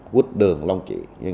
quýt đường long trị